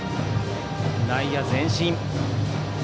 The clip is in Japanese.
内野前進。